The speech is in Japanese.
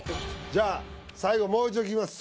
じゃあ最後もう一度聞きます